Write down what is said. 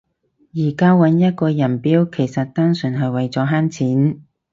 而家搵一個人標其實單純係為咗慳錢